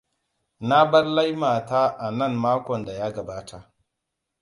Na bar laima ta a nan makon da ya gabata.